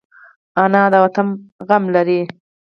انا د وطن غم لري